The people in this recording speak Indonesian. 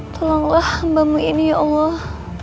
tolonglah hambamu ini ya allah